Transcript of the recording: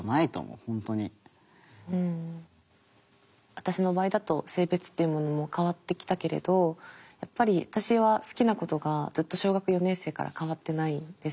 私の場合だと性別っていうものも変わってきたけれどやっぱり私は好きなことがずっと小学４年生から変わってないんですよ。